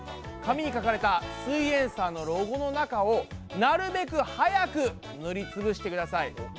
紙に書かれた「すイエんサー」のロゴの中をなるべく早く塗りつぶしてください。